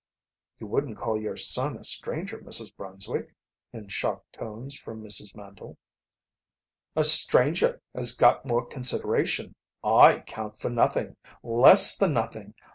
"You wouldn't call your son a stranger, Mrs. Brunswick!" in shocked tones from Mrs. Mandle. "A stranger has got more consideration. I count for nothing. Less than nothing.